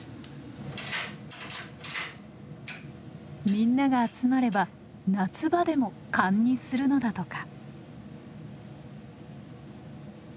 みんなが集まれば夏場でも燗にするのだとか。